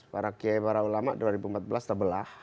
para kiai para ulama dua ribu empat belas terbelah